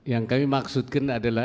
yang kami maksudkan adalah